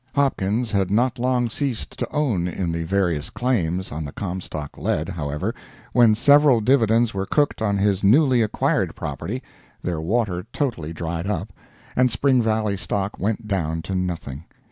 Hopkins had not long ceased to own in the various claims on the Comstock lead, however, when several dividends were cooked on his newly acquired property, their water totally dried up, and Spring Valley stock went down to nothing.